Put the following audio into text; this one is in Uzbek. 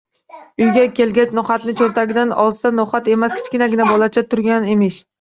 Uyga kelgach, no’xatni cho’ntagidan olsa, no’xat emas, kichkinagina bolacha turgan emish.